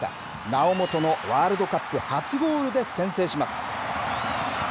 猶本のワールドカップ初ゴールで先制します。